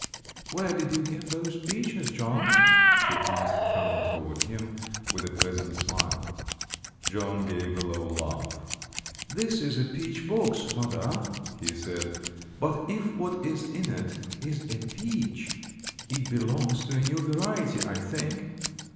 "Where did you get those peaches, John?" she asked, coming toward him with a pleasant smile. John gave a low laugh. "This is a peach box, mother," he said, "but if what is in it is a peach, it belongs to a new variety, I think.